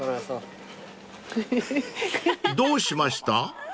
［どうしました？］